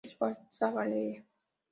es falsa. Valeria.